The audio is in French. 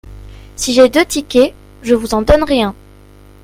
Si j’ai deux tickets, je vous en donnerai un.